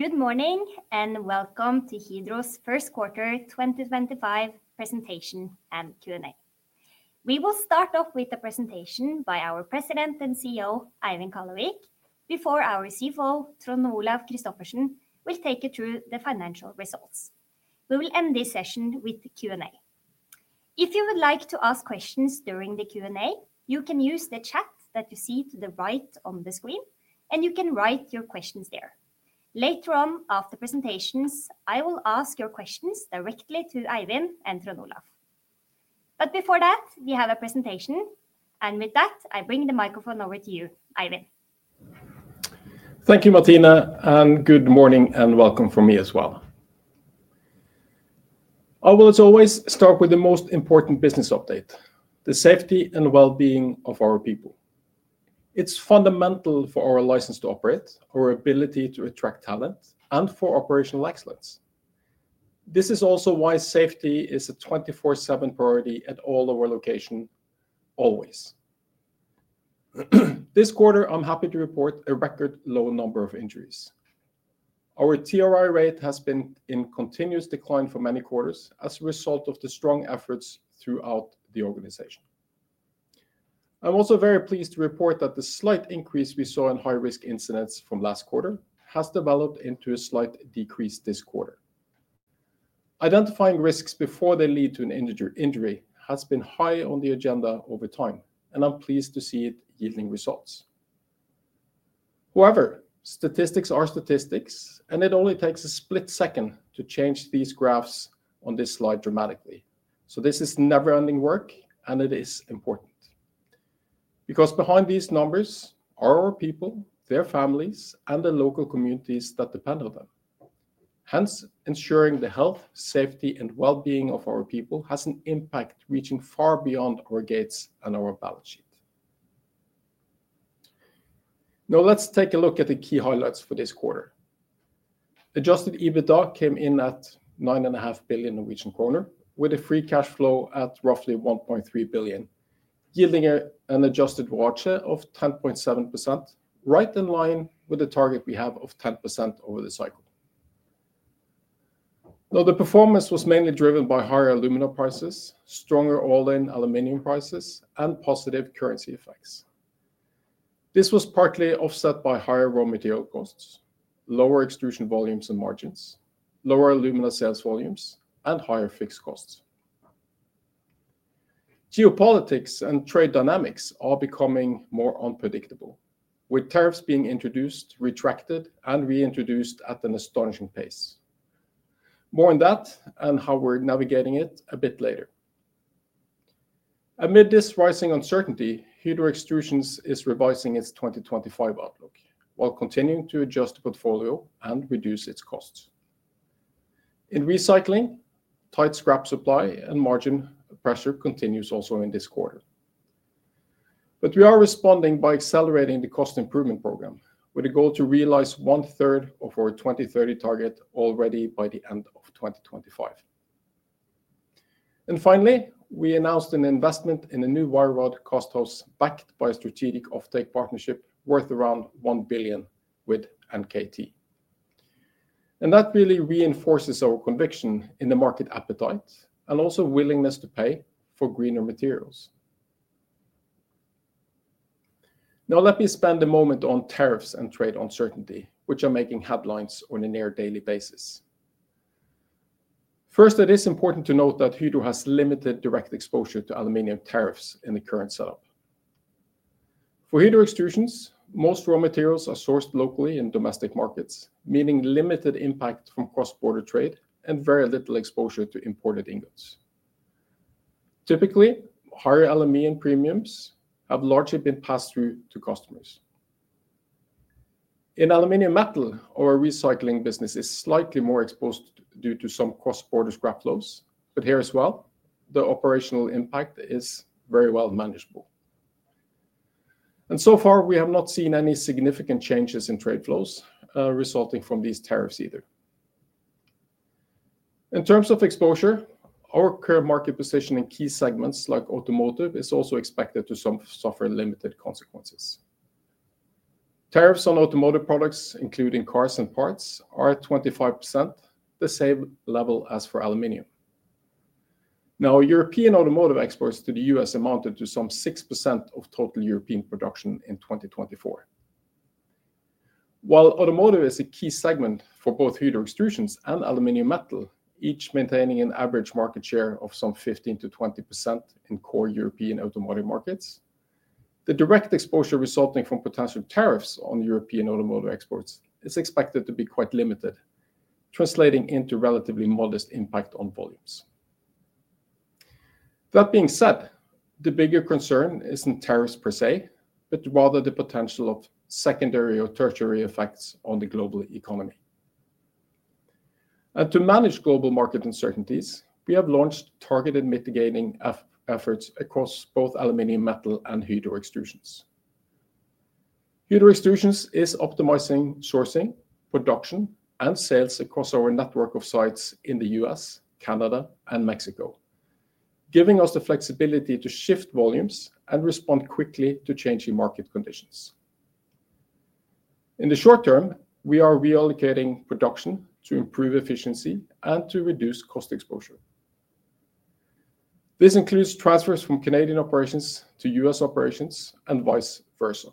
Good morning and welcome to Hydro's first quarter 2025 presentation and Q&A. We will start off with the presentation by our President and CEO, Eivind Kallevik, before our CFO, Trond Olaf Christophersen, will take you through the financial results. We will end this session with the Q&A. If you would like to ask questions during the Q&A, you can use the chat that you see to the right on the screen, and you can write your questions there. Later on, after presentations, I will ask your questions directly to Eivind and Trond Olaf. Before that, we have a presentation, and with that, I bring the microphone over to you, Eivind. Thank you, Martine, and good morning and welcome from me as well. I will, as always, start with the most important business update: the safety and well-being of our people. It's fundamental for our license to operate, our ability to attract talent, and for operational excellence. This is also why safety is a 24/7 priority at all of our locations, always. This quarter, I'm happy to report a record low number of injuries. Our TRI rate has been in continuous decline for many quarters as a result of the strong efforts throughout the organization. I'm also very pleased to report that the slight increase we saw in high-risk incidents from last quarter has developed into a slight decrease this quarter. Identifying risks before they lead to an injury has been high on the agenda over time, and I'm pleased to see it yielding results. However, statistics are statistics, and it only takes a split second to change these graphs on this slide dramatically. This is never-ending work, and it is important. Because behind these numbers are our people, their families, and the local communities that depend on them. Hence, ensuring the health, safety, and well-being of our people has an impact reaching far beyond our gates and our balance sheet. Now, let's take a look at the key highlights for this quarter. Adjusted EBITDA came in at 9.5 billion Norwegian kroner, with a free cash flow at roughly 1.3 billion, yielding an adjusted margin of 10.7%, right in line with the target we have of 10% over the cycle. The performance was mainly driven by higher alumina prices, stronger all-in aluminium prices, and positive currency effects. This was partly offset by higher raw material costs, lower extrusion volumes and margins, lower alumina sales volumes, and higher fixed costs. Geopolitics and trade dynamics are becoming more unpredictable, with tariffs being introduced, retracted, and reintroduced at an astonishing pace. More on that and how we're navigating it a bit later. Amid this rising uncertainty, Hydro Extrusions is revising its 2025 outlook while continuing to adjust the portfolio and reduce its costs. In recycling, tight scrap supply and margin pressure continues also in this quarter. We are responding by accelerating the cost improvement program with a goal to realize one-third of our 2030 target already by the end of 2025. Finally, we announced an investment in a new wire rod casthouse backed by a strategic offtake partnership worth around 1 billion with NKT. That really reinforces our conviction in the market appetite and also willingness to pay for greener materials. Now, let me spend a moment on tariffs and trade uncertainty, which are making headlines on a near daily basis. First, it is important to note that Hydro has limited direct exposure to aluminium tariffs in the current setup. For Hydro Extrusions, most raw materials are sourced locally in domestic markets, meaning limited impact from cross-border trade and very little exposure to imported inputs. Typically, higher aluminium premiums have largely been passed through to customers. In aluminium metal, our recycling business is slightly more exposed due to some cross-border scrap flows, but here as well, the operational impact is very well manageable. So far, we have not seen any significant changes in trade flows resulting from these tariffs either. In terms of exposure, our current market position in key segments like automotive is also expected to suffer limited consequences. Tariffs on automotive products, including cars and parts, are at 25%, the same level as for aluminium. Now, European automotive exports to the US amounted to some 6% of total European production in 2024. While automotive is a key segment for both Hydro Extrusions and aluminium metal, each maintaining an average market share of some 15%-20% in core European automotive markets, the direct exposure resulting from potential tariffs on European automotive exports is expected to be quite limited, translating into relatively modest impact on volumes. That being said, the bigger concern is not tariffs per se, but rather the potential of secondary or tertiary effects on the global economy. To manage global market uncertainties, we have launched targeted mitigating efforts across both aluminium metal and Hydro Extrusions. Hydro Extrusions is optimizing sourcing, production, and sales across our network of sites in the U.S., Canada, and Mexico, giving us the flexibility to shift volumes and respond quickly to changing market conditions. In the short term, we are reallocating production to improve efficiency and to reduce cost exposure. This includes transfers from Canadian operations to U.S. operations and vice versa.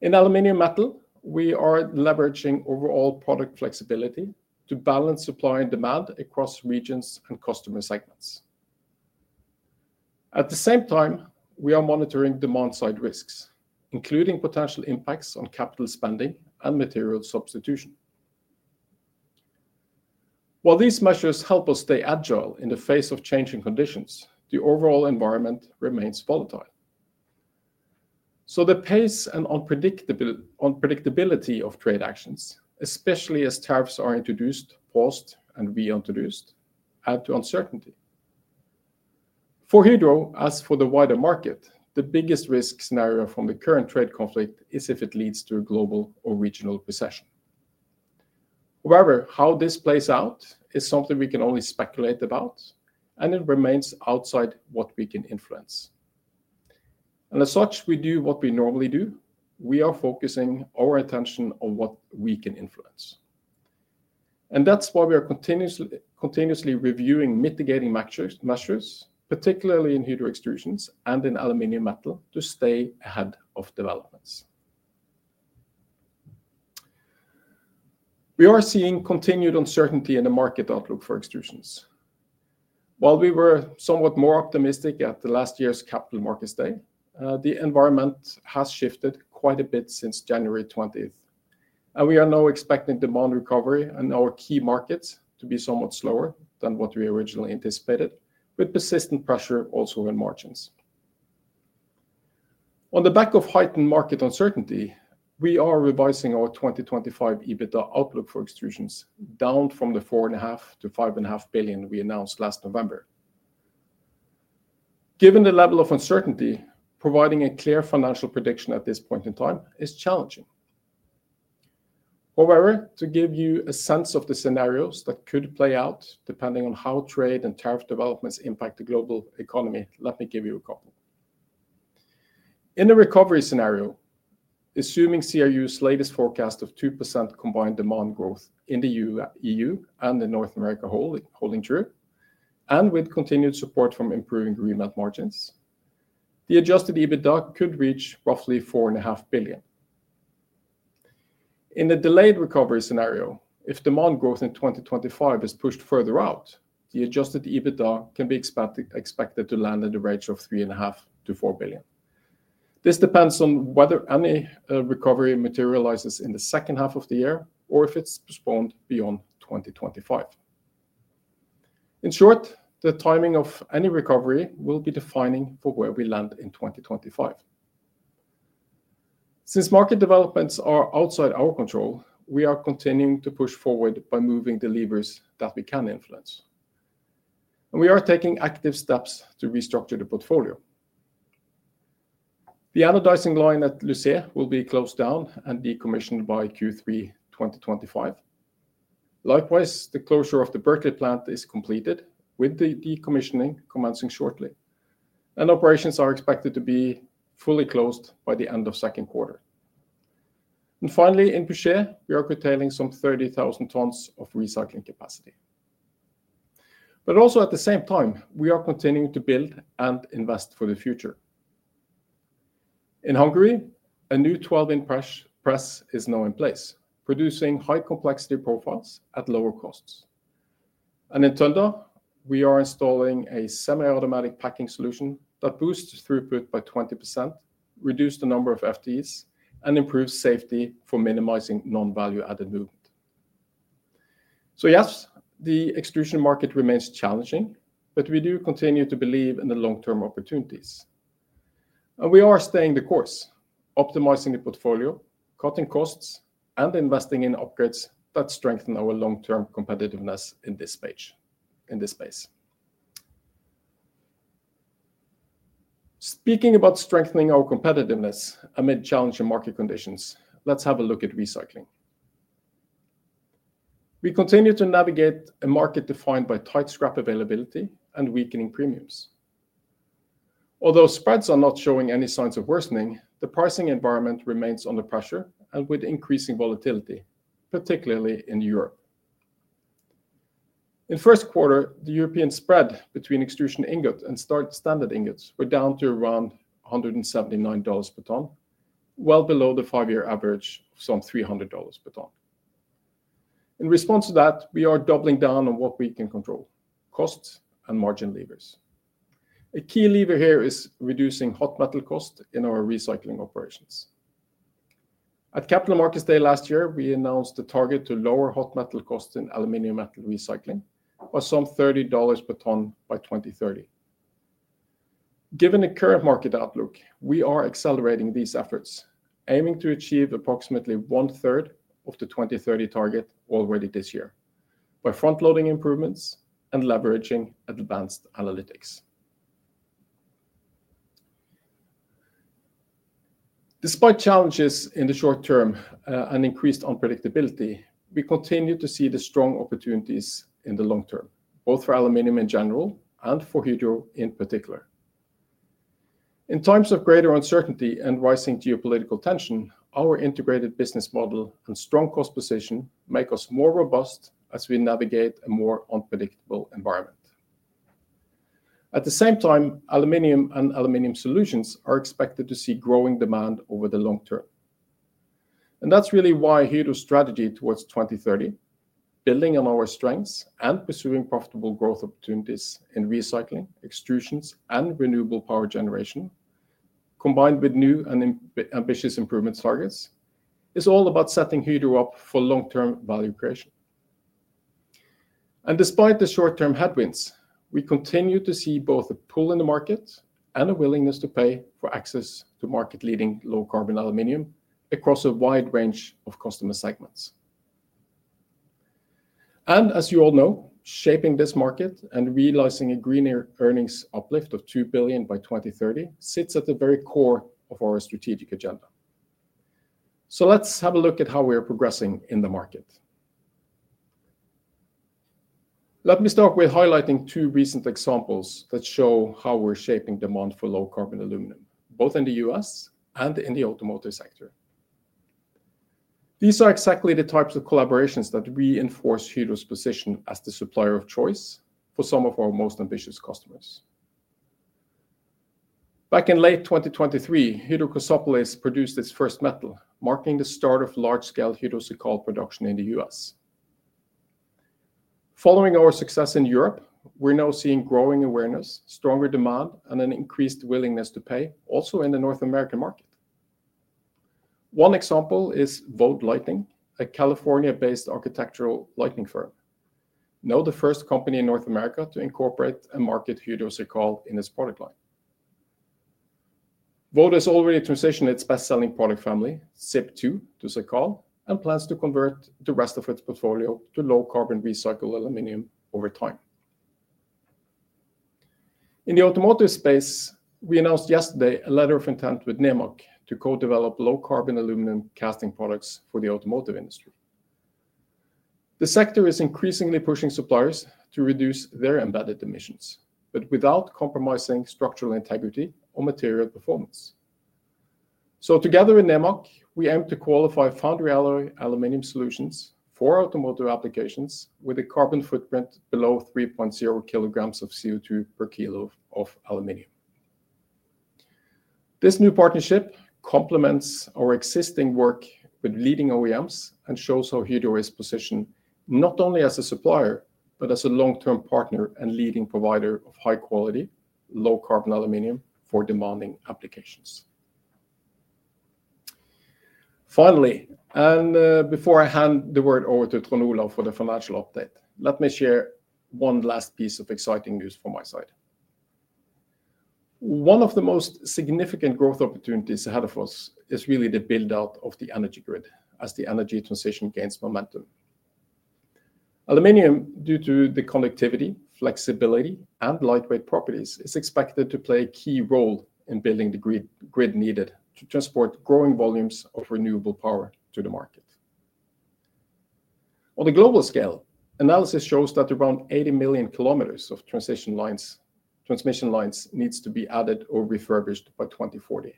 In aluminium metal, we are leveraging overall product flexibility to balance supply and demand across regions and customer segments. At the same time, we are monitoring demand-side risks, including potential impacts on capital spending and material substitution. While these measures help us stay agile in the face of changing conditions, the overall environment remains volatile. The pace and unpredictability of trade actions, especially as tariffs are introduced, paused, and reintroduced, add to uncertainty. For Hydro, as for the wider market, the biggest risk scenario from the current trade conflict is if it leads to a global or regional recession. However, how this plays out is something we can only speculate about, and it remains outside what we can influence. As such, we do what we normally do. We are focusing our attention on what we can influence. That is why we are continuously reviewing mitigating measures, particularly in Hydro Extrusions and in aluminium metal, to stay ahead of developments. We are seeing continued uncertainty in the market outlook for Extrusions. While we were somewhat more optimistic at last year's capital markets day, the environment has shifted quite a bit since January 20. We are now expecting demand recovery in our key markets to be somewhat slower than what we originally anticipated, with persistent pressure also in margins. On the back of heightened market uncertainty, we are revising our 2025 EBITDA outlook for Extrusions down from the 4.5 billion-5.5 billion we announced last November. Given the level of uncertainty, providing a clear financial prediction at this point in time is challenging. However, to give you a sense of the scenarios that could play out depending on how trade and tariff developments impact the global economy, let me give you a couple. In a recovery scenario, assuming CRU's latest forecast of 2% combined demand growth in the EU and the North America holding true, and with continued support from improving remelt margins, the adjusted EBITDA could reach roughly 4.5 billion. In a delayed recovery scenario, if demand growth in 2025 is pushed further out, the adjusted EBITDA can be expected to land at a range of 3.5 billion-4 billion. This depends on whether any recovery materializes in the second half of the year or if it is postponed beyond 2025. In short, the timing of any recovery will be defining for where we land in 2025. Since market developments are outside our control, we are continuing to push forward by moving the levers that we can influence. We are taking active steps to restructure the portfolio. The anodizing line at Lucé will be closed down and decommissioned by Q3 2025. Likewise, the closure of the Birtley plant is completed, with the decommissioning commencing shortly. Operations are expected to be fully closed by the end of second quarter. Finally, in Puget, we are curtailing some 30,000 tons of recycling capacity. At the same time, we are continuing to build and invest for the future. In Hungary, a new 12-inch press is now in place, producing high-complexity profiles at lower costs. In Tønder, we are installing a semi-automatic packing solution that boosts throughput by 20%, reduces the number of FTEs, and improves safety for minimizing non-value-added movement. Yes, the extrusion market remains challenging, but we do continue to believe in the long-term opportunities. We are staying the course, optimizing the portfolio, cutting costs, and investing in upgrades that strengthen our long-term competitiveness in this space. Speaking about strengthening our competitiveness amid challenging market conditions, let's have a look at recycling. We continue to navigate a market defined by tight scrap availability and weakening premiums. Although spreads are not showing any signs of worsening, the pricing environment remains under pressure and with increasing volatility, particularly in Europe. In first quarter, the European spread between extrusion ingot and standard ingots were down to around $179 per ton, well below the five-year average of some $300 per ton. In response to that, we are doubling down on what we can control: costs and margin levers. A key lever here is reducing hot metal costs in our recycling operations. At capital markets day last year, we announced a target to lower hot metal costs in aluminium metal recycling by some $30 per ton by 2030. Given the current market outlook, we are accelerating these efforts, aiming to achieve approximately one-third of the 2030 target already this year by front-loading improvements and leveraging advanced analytics. Despite challenges in the short term and increased unpredictability, we continue to see the strong opportunities in the long term, both for aluminium in general and for Hydro in particular. In times of greater uncertainty and rising geopolitical tension, our integrated business model and strong cost position make us more robust as we navigate a more unpredictable environment. At the same time, aluminium and aluminium solutions are expected to see growing demand over the long term. That is really why Hydro's strategy towards 2030, building on our strengths and pursuing profitable growth opportunities in recycling, extrusions, and renewable power generation, combined with new and ambitious improvement targets, is all about setting Hydro up for long-term value creation. Despite the short-term headwinds, we continue to see both a pull in the market and a willingness to pay for access to market-leading low-carbon aluminium across a wide range of customer segments. As you all know, shaping this market and realizing a greener earnings uplift of $2 billion by 2030 sits at the very core of our strategic agenda. Let's have a look at how we are progressing in the market. Let me start with highlighting two recent examples that show how we're shaping demand for low-carbon aluminium, both in the U.S. and in the automotive sector. These are exactly the types of collaborations that reinforce Hydro's position as the supplier of choice for some of our most ambitious customers. Back in late 2023, Hydro CIRCAL produced its first metal, marking the start of large-scale Hydro CIRCAL production in the U.S.. Following our success in Europe, we're now seeing growing awareness, stronger demand, and an increased willingness to pay, also in the North American market. One example is Vode Lighting, a California-based architectural lighting firm, now the first company in North America to incorporate and market Hydro CIRCAL in its product line. Vode has already transitioned its best-selling product family, ZipTwo, to Hydro CIRCAL, and plans to convert the rest of its portfolio to low-carbon recycled aluminium over time. In the automotive space, we announced yesterday a letter of intent with Nemak to co-develop low-carbon aluminium casting products for the automotive industry. The sector is increasingly pushing suppliers to reduce their embedded emissions, but without compromising structural integrity or material performance. Together with Nemak, we aim to qualify foundry alloy aluminium solutions for automotive applications with a carbon footprint below 3.0 kilograms of CO2 per kilo of aluminium. This new partnership complements our existing work with leading OEMs and shows how Hydro is positioned not only as a supplier, but as a long-term partner and leading provider of high-quality, low-carbon aluminium for demanding applications. Finally, and before I hand the word over to Trond Olaf for the financial update, let me share one last piece of exciting news from my side. One of the most significant growth opportunities ahead of us is really the build-out of the energy grid as the energy transition gains momentum. Aluminium, due to the connectivity, flexibility, and lightweight properties, is expected to play a key role in building the grid needed to transport growing volumes of renewable power to the market. On a global scale, analysis shows that around 80 million kilometers of transmission lines need to be added or refurbished by 2040.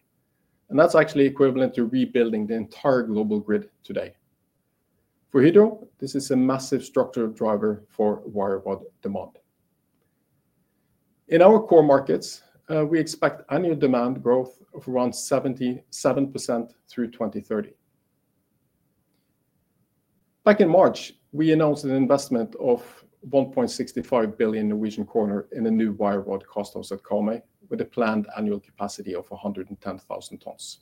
That is actually equivalent to rebuilding the entire global grid today. For Hydro, this is a massive structural driver for wire rod demand. In our core markets, we expect annual demand growth of around 77% through 2030. Back in March, we announced an investment of 1.65 billion in a new wire rod casthouse at Karmøy, with a planned annual capacity of 110,000 tons.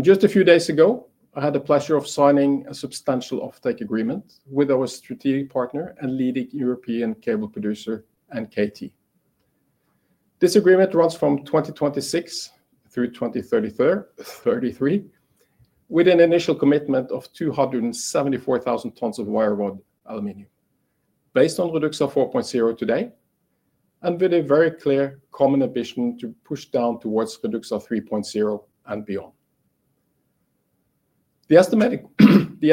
Just a few days ago, I had the pleasure of signing a substantial offtake agreement with our strategic partner and leading European cable producer, NKT. This agreement runs from 2026 through 2033, with an initial commitment of 274,000 tons of wire rod aluminium, based on Hydro REDUXA 4.0 today, and with a very clear common ambition to push down towards Hydro REDUXA 3.0 and beyond. The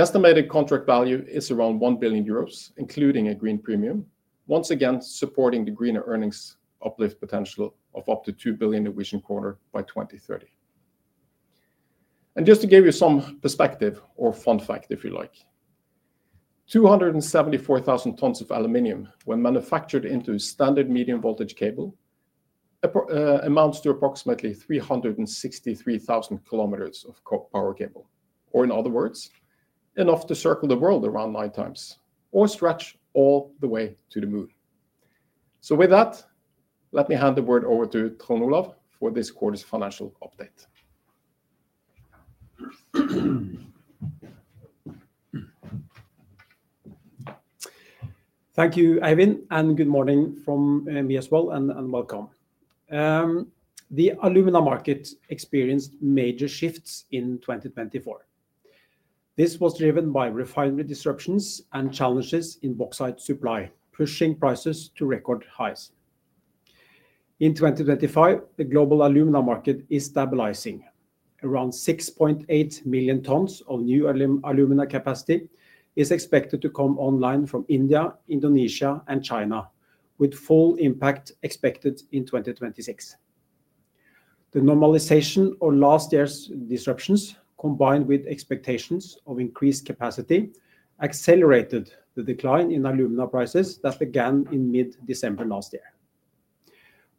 estimated contract value is around 1 billion euros, including a green premium, once again supporting the greener earnings uplift potential of up to 2 billion by 2030. Just to give you some perspective or fun fact, if you like, 274,000 tons of aluminium, when manufactured into standard medium voltage cable, amounts to approximately 363,000 kilometers of power cable. In other words, enough to circle the world around nine times, or stretch all the way to the moon. With that, let me hand the word over to Trond Olaf for this quarter's financial update. Thank you, Eivind, and good morning from me as well, and welcome. The alumina market experienced major shifts in 2024. This was driven by refinery disruptions and challenges in bauxite supply, pushing prices to record highs. In 2025, the global alumina market is stabilizing. Around 6.8 million tons of new alumina capacity is expected to come online from India, Indonesia, and China, with full impact expected in 2026. The normalization of last year's disruptions, combined with expectations of increased capacity, accelerated the decline in alumina prices that began in mid-December last year.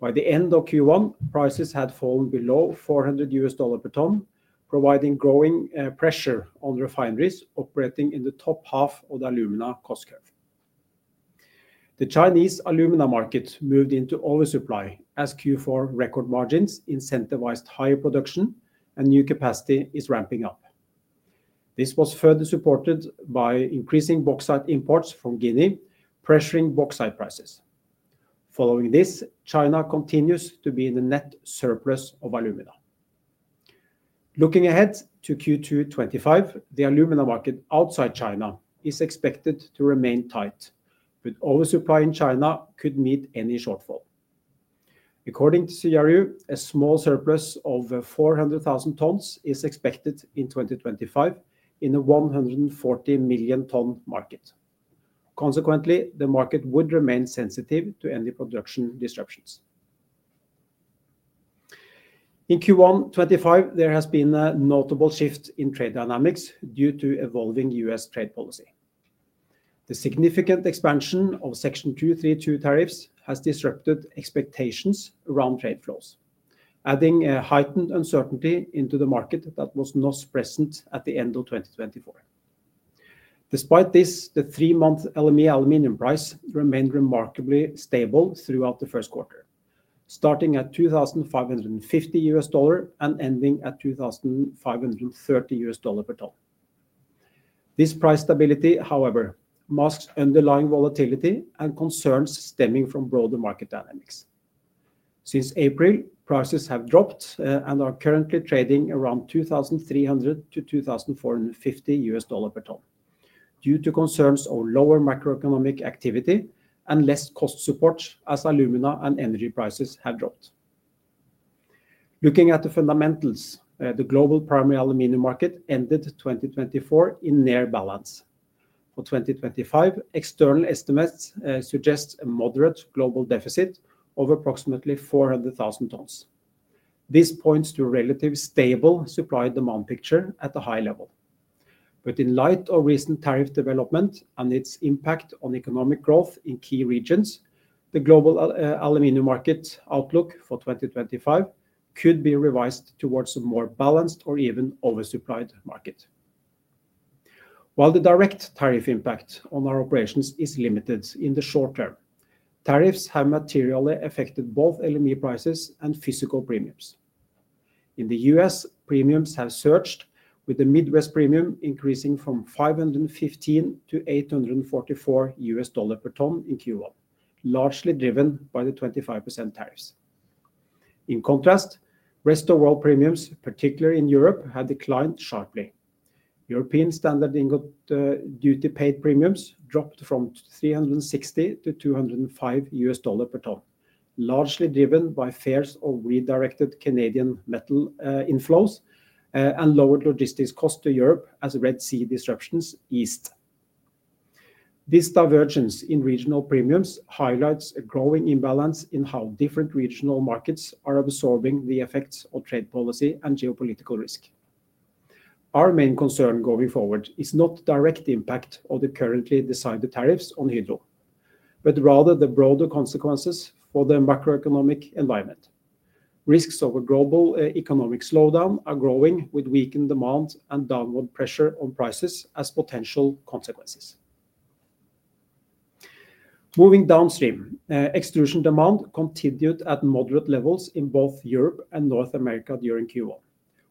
By the end of Q1, prices had fallen below $400 per ton, providing growing pressure on refineries operating in the top half of the alumina cost curve. The Chinese alumina market moved into oversupply as Q4 record margins incentivized higher production and new capacity is ramping up. This was further supported by increasing bauxite imports from Guinea, pressuring bauxite prices. Following this, China continues to be in the net surplus of alumina. Looking ahead to Q2 2025, the alumina market outside China is expected to remain tight, but oversupply in China could meet any shortfall. According to CRU, a small surplus of 400,000 tons is expected in 2025 in a 140 million-ton market. Consequently, the market would remain sensitive to any production disruptions. In Q1 2025, there has been a notable shift in trade dynamics due to evolving US trade policy. The significant expansion of Section 232 tariffs has disrupted expectations around trade flows, adding a heightened uncertainty into the market that was not present at the end of 2024. Despite this, the three-month LME aluminium price remained remarkably stable throughout the first quarter, starting at $2,550 and ending at $2,530 per ton. This price stability, however, masks underlying volatility and concerns stemming from broader market dynamics. Since April, prices have dropped and are currently trading around $2,300-$2,450 per ton, due to concerns of lower macroeconomic activity and less cost support as alumina and energy prices have dropped. Looking at the fundamentals, the global primary aluminium market ended 2024 in near balance. For 2025, external estimates suggest a moderate global deficit of approximately 400,000 tons. This points to a relatively stable supply-demand picture at a high level. In light of recent tariff development and its impact on economic growth in key regions, the global aluminium market outlook for 2025 could be revised towards a more balanced or even oversupplied market. While the direct tariff impact on our operations is limited in the short term, tariffs have materially affected both LME prices and physical premiums. In the US, premiums have surged, with the Midwest premium increasing from $515 to $844 per ton in Q1, largely driven by the 25% tariffs. In contrast, rest of world premiums, particularly in Europe, have declined sharply. European standard ingot duty-paid premiums dropped from $360 to $205 per ton, largely driven by fears of redirected Canadian metal inflows and lowered logistics costs to Europe as Red Sea disruptions eased. This divergence in regional premiums highlights a growing imbalance in how different regional markets are absorbing the effects of trade policy and geopolitical risk. Our main concern going forward is not the direct impact of the currently decided tariffs on Hydro, but rather the broader consequences for the macroeconomic environment. Risks of a global economic slowdown are growing, with weakened demand and downward pressure on prices as potential consequences. Moving downstream, extrusion demand continued at moderate levels in both Europe and North America during Q1,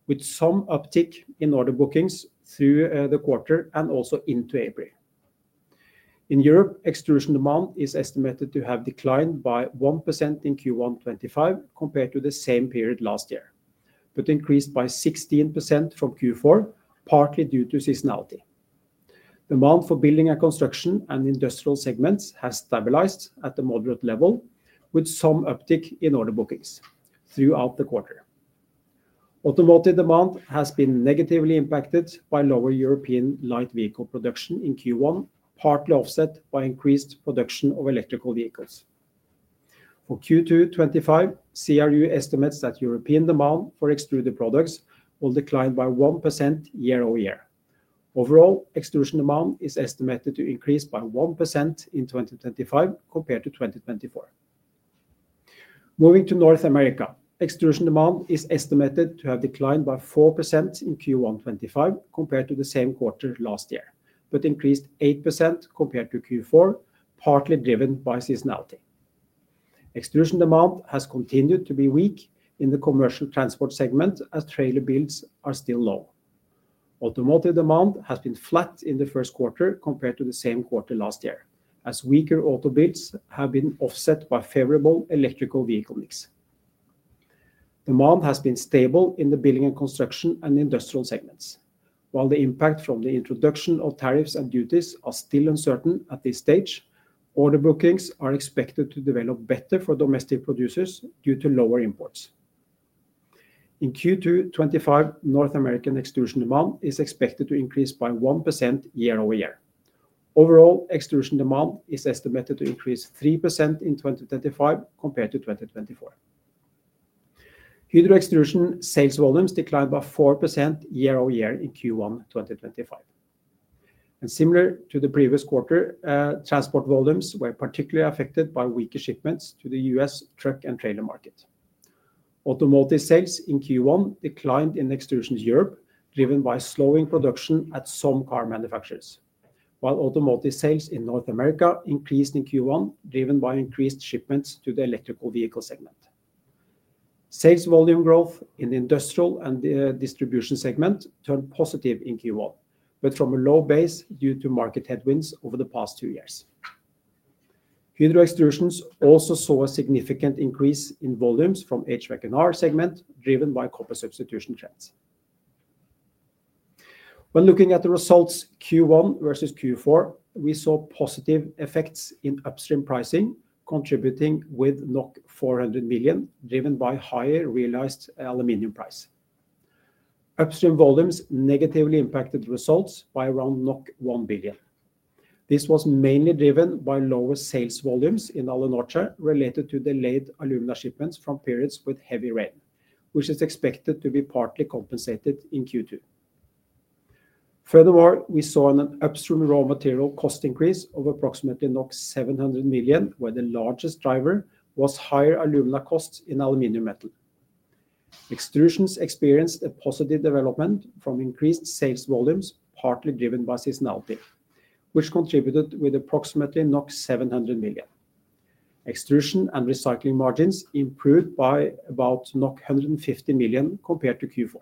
with some uptick in order bookings through the quarter and also into April. In Europe, extrusion demand is estimated to have declined by 1% in Q1 2025 compared to the same period last year, but increased by 16% from Q4, partly due to seasonality. Demand for building and construction and industrial segments has stabilized at a moderate level, with some uptick in order bookings throughout the quarter. Automotive demand has been negatively impacted by lower European light vehicle production in Q1, partly offset by increased production of electrical vehicles. For Q2 2025, CRU estimates that European demand for extruded products will decline by 1% year-over-year. Overall, extrusion demand is estimated to increase by 1% in 2025 compared to 2024. Moving to North America, extrusion demand is estimated to have declined by 4% in Q1 2025 compared to the same quarter last year, but increased 8% compared to Q4, partly driven by seasonality. Extrusion demand has continued to be weak in the commercial transport segment as trailer builds are still low. Automotive demand has been flat in the first quarter compared to the same quarter last year, as weaker auto builds have been offset by favorable electrical vehicle mix. Demand has been stable in the building and construction and industrial segments. While the impact from the introduction of tariffs and duties is still uncertain at this stage, order bookings are expected to develop better for domestic producers due to lower imports. In Q2 2025, North American extrusion demand is expected to increase by 1% year-over-year. Overall, extrusion demand is estimated to increase 3% in 2025 compared to 2024. Hydro extrusion sales volumes declined by 4% year-over-year in Q1 2025. Similar to the previous quarter, transport volumes were particularly affected by weaker shipments to the US truck and trailer market. Automotive sales in Q1 declined in extrusion in Europe, driven by slowing production at some car manufacturers, while automotive sales in North America increased in Q1, driven by increased shipments to the electrical vehicle segment. Sales volume growth in the industrial and distribution segment turned positive in Q1, but from a low base due to market headwinds over the past two years. Hydro Extrusions also saw a significant increase in volumes from HVAC&R segment, driven by copper substitution trends. When looking at the results Q1 versus Q4, we saw positive effects in upstream pricing, contributing with 400 million, driven by higher realized aluminium price. Upstream volumes negatively impacted results by around 1 billion. This was mainly driven by lower sales volumes in Alunorte related to delayed alumina shipments from periods with heavy rain, which is expected to be partly compensated in Q2. Furthermore, we saw an upstream raw material cost increase of approximately 700 million, where the largest driver was higher alumina costs in aluminium metal. Extrusions experienced a positive development from increased sales volumes, partly driven by seasonality, which contributed with approximately 700 million. Extrusion and recycling margins improved by about 150 million compared to Q4.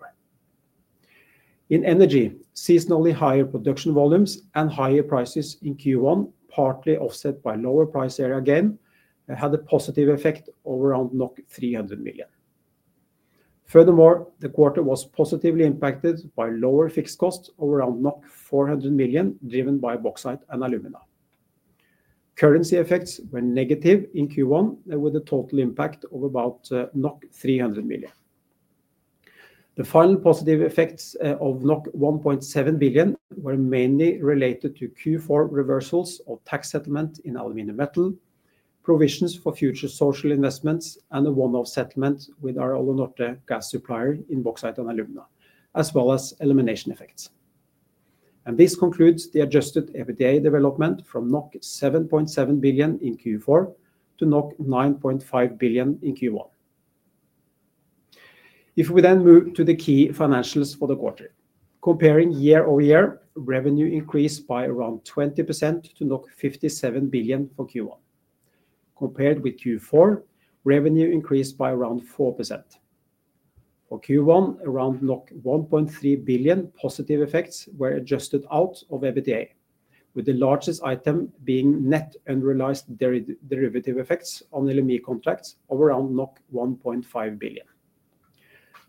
In energy, seasonally higher production volumes and higher prices in Q1, partly offset by lower price area gain, had a positive effect of around 300 million. Furthermore, the quarter was positively impacted by lower fixed costs of around 400 million, driven by bauxite and alumina. Currency effects were negative in Q1, with a total impact of about 300 million. The final positive effects of 1.7 billion were mainly related to Q4 reversals of tax settlement in aluminium metal, provisions for future social investments, and a one-off settlement with our Alunorte gas supplier in bauxite and alumina, as well as elimination effects. This concludes the adjusted EBITDA development from 7.7 billion in Q4 to 9.5 billion in Q1. If we then move to the key financials for the quarter, comparing year-over-year, revenue increased by around 20% to 57 billion for Q1. Compared with Q4, revenue increased by around 4%. For Q1, around 1.3 billion positive effects were adjusted out of EBITDA, with the largest item being net unrealized derivative effects on LME contracts of around 1.5 billion.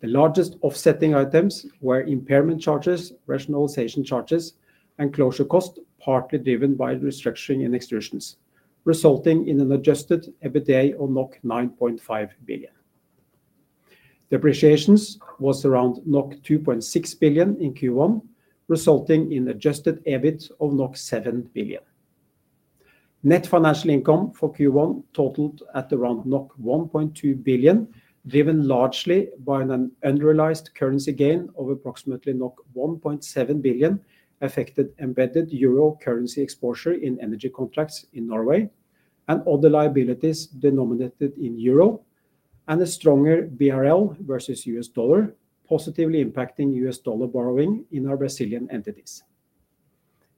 The largest offsetting items were impairment charges, rationalization charges, and closure costs, partly driven by restructuring and extrusions, resulting in an adjusted EBITDA of 9.5 billion. Depreciations were around 2.6 billion in Q1, resulting in adjusted EBIT of 7 billion. Net financial income for Q1 totaled at around 1.2 billion, driven largely by an unrealized currency gain of approximately 1.7 billion, affected embedded euro currency exposure in energy contracts in Norway and other liabilities denominated in euro, and a stronger BRL versus U.S. dollar, positively impacting U.S. dollar borrowing in our Brazilian entities.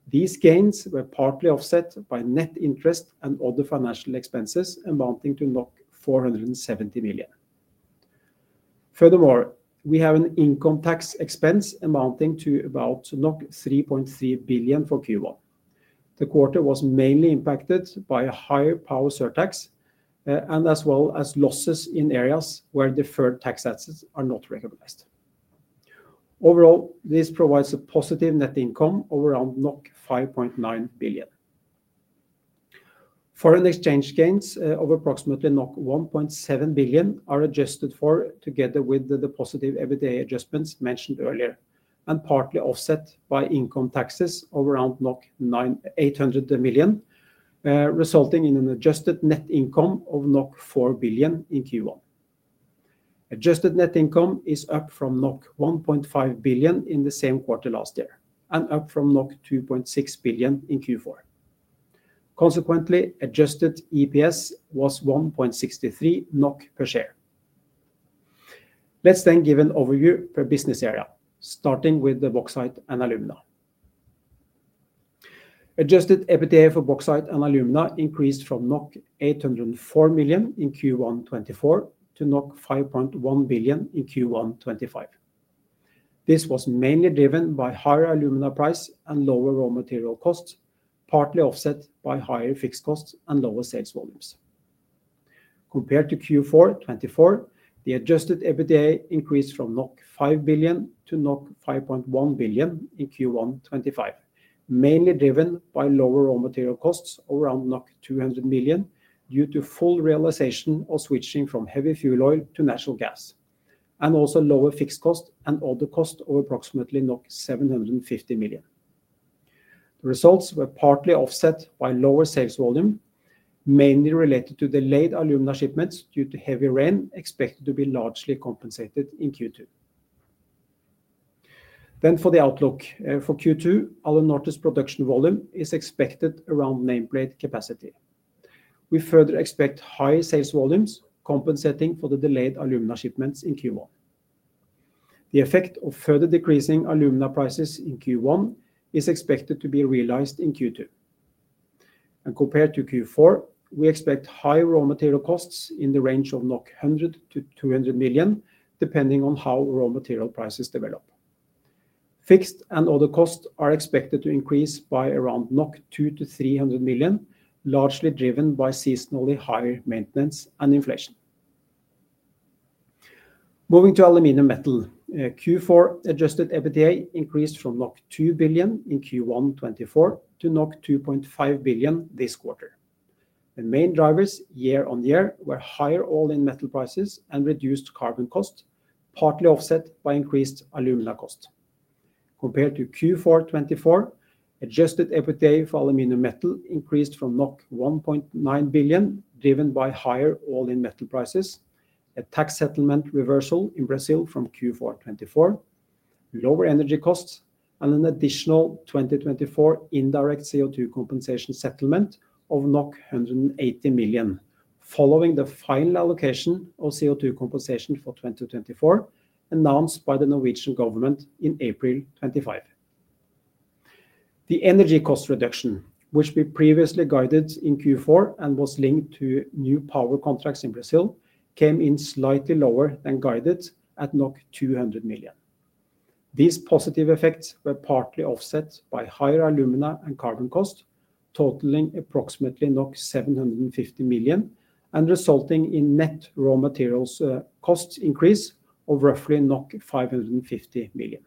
These gains were partly offset by net interest and other financial expenses amounting to 470 million. Furthermore, we have an income tax expense amounting to about 3.3 billion for Q1. The quarter was mainly impacted by a higher power surtax as well as losses in areas where deferred tax assets are not recognized. Overall, this provides a positive net income of around 5.9 billion. Foreign exchange gains of approximately 1.7 billion are adjusted for, together with the positive EBITDA adjustments mentioned earlier, and partly offset by income taxes of around 800 million, resulting in an adjusted net income of 4 billion in Q1. Adjusted net income is up from 1.5 billion in the same quarter last year and up from 2.6 billion in Q4. Consequently, adjusted EPS was 1.63 NOK per share. Let's then give an overview per business area, starting with the bauxite and alumina. Adjusted EBITDA for bauxite and alumina increased from 804 million in Q1 2024 to 5.1 billion in Q1 2025. This was mainly driven by higher alumina price and lower raw material costs, partly offset by higher fixed costs and lower sales volumes. Compared to Q4 2024, the adjusted EBITDA increased from 5 billion to 5.1 billion in Q1 2025, mainly driven by lower raw material costs of around 200 million due to full realization of switching from heavy fuel oil to natural gas, and also lower fixed costs and other costs of approximately 750 million. The results were partly offset by lower sales volume, mainly related to delayed alumina shipments due to heavy rain expected to be largely compensated in Q2. For the outlook for Q2, Alunorte's production volume is expected around nameplate capacity. We further expect high sales volumes compensating for the delayed alumina shipments in Q1. The effect of further decreasing alumina prices in Q1 is expected to be realized in Q2. Compared to Q4, we expect high raw material costs in the range of 100-200 million, depending on how raw material prices develop. Fixed and other costs are expected to increase by around 200-300 million, largely driven by seasonally higher maintenance and inflation. Moving to aluminum metal, Q4 adjusted EBITDA increased from 2 billion in Q1 2024 to 2.5 billion this quarter. The main drivers year-on-year were higher all-in metal prices and reduced carbon costs, partly offset by increased alumina costs. Compared to Q4 2024, adjusted EBITDA for aluminium metal increased from 1.9 billion, driven by higher all-in metal prices, a tax settlement reversal in Brazil from Q4 2024, lower energy costs, and an additional 2024 indirect CO2 compensation settlement of NOK 180 million, following the final allocation of CO2 compensation for 2024 announced by the Norwegian government in April 2025. The energy cost reduction, which we previously guided in Q4 and was linked to new power contracts in Brazil, came in slightly lower than guided at NOK 200 million. These positive effects were partly offset by higher alumina and carbon costs, totaling approximately 750 million and resulting in net raw materials costs increase of roughly 550 million.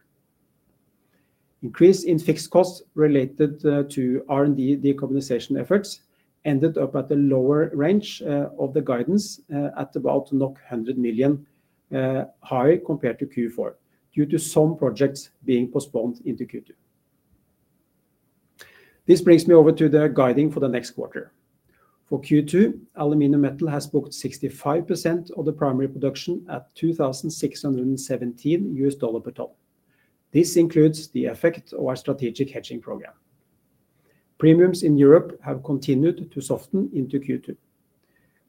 Increase in fixed costs related to R&D decarbonization efforts ended up at a lower range of the guidance at about 100 million, high compared to Q4, due to some projects being postponed into Q2. This brings me over to the guiding for the next quarter. For Q2, aluminum metal has booked 65% of the primary production at $2,617 per ton. This includes the effect of our strategic hedging program. Premiums in Europe have continued to soften into Q2.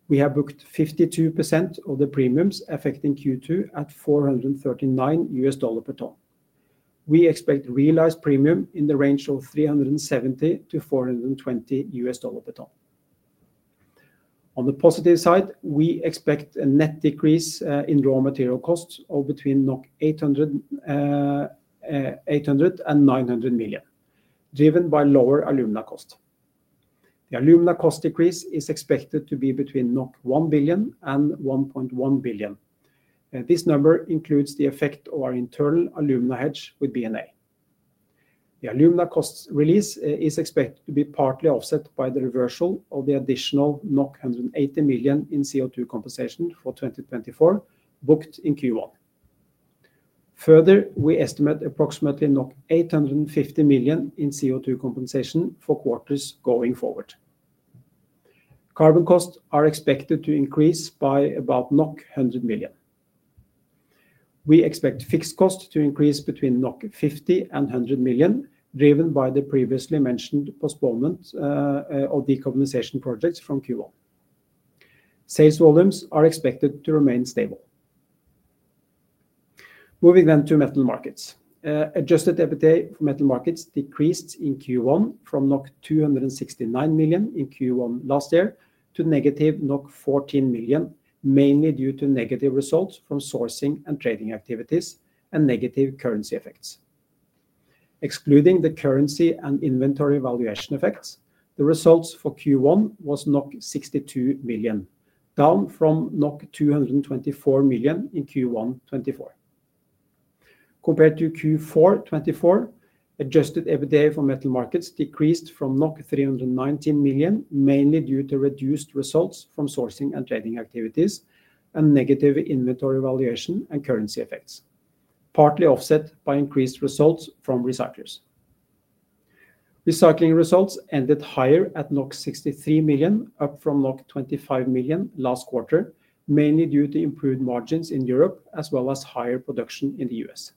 We have booked 52% of the premiums affecting Q2 at $439 per ton. We expect realized premium in the range of $370-$420 per ton. On the positive side, we expect a net decrease in raw material costs of between 800 and 900 million, driven by lower alumina costs. The alumina cost decrease is expected to be between 1 billion and 1.1 billion. This number includes the effect of our internal alumina hedge with B&A. The alumina costs release is expected to be partly offset by the reversal of the additional 180 million in CO2 compensation for 2024 booked in Q1. Further, we estimate approximately 850 million in CO2 compensation for quarters going forward. Carbon costs are expected to increase by about 100 million. We expect fixed costs to increase between 50-100 million, driven by the previously mentioned postponement of decarbonization projects from Q1. Sales volumes are expected to remain stable. Moving then to metal markets. Adjusted EBITDA for metal markets decreased in Q1 from 269 million in Q1 last year to negative 14 million, mainly due to negative results from sourcing and trading activities and negative currency effects. Excluding the currency and inventory valuation effects, the results for Q1 was 62 million, down from 224 million in Q1 2024. Compared to Q4 2024, adjusted EBITDA for Metal Markets decreased from 319 million, mainly due to reduced results from sourcing and trading activities and negative inventory valuation and currency effects, partly offset by increased results from recyclers. Recycling results ended higher at 63 million, up from 25 million last quarter, mainly due to improved margins in Europe as well as higher production in the U.S..